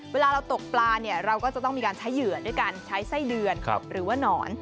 เวลาเราตกปลาเนี่ยเราก็จะต้องมีการใช้เหยื่อด้วยการใช้ไส้เดือนหรือว่านอน